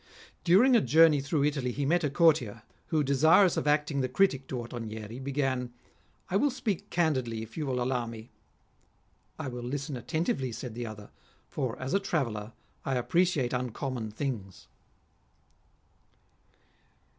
During a journey through Italy he met a courtier, who, desirous of acting the critic to Ottonieri, began :" I will speak candidly, if you will allow me." "I will listen attentively," said the other, " for, as a traveller, I appreciate uncommon things."